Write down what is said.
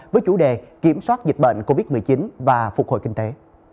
với chủ đề kiểm soát dịch bệnh covid một mươi chín và phục hồi kinh tế